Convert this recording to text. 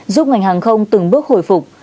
giúp ngành hàng không từng bước hồi phục